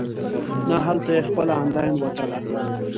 نه هلته یې خپله انلاین وتله.